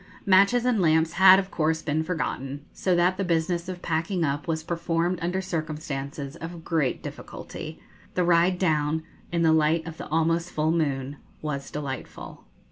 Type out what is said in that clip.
Matches and lamps had of course been forgotten; so that the business of packing up was performed under circumstances of great difficulty. The ride down, in the light of the almost full moon, was delightful.